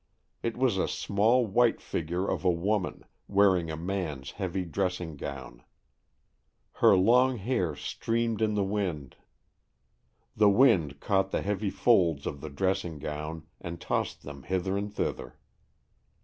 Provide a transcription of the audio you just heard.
It was a small white figure of a woman, wearing a man's heavy dressing gown. Her long hair streamed in the wind. 198 AN EXCHANGE OF SOULS The wind caught the heavy folds of the dressing gown, and tossed them hither and thither.